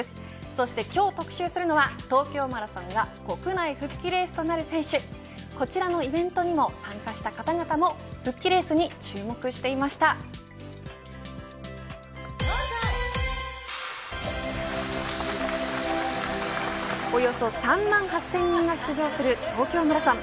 そして、今日特集するのは東京マラソンが国内復帰レースとなる選手こちらのイベントにも参加した方々もおよそ３万８０００人が出場する東京マラソン。